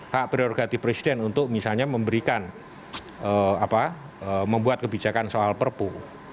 hak prerogatif presiden untuk misalnya memberikan membuat kebijakan soal perpu